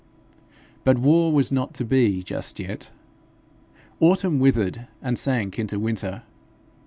But war was not to be just yet. Autumn withered and sank into winter.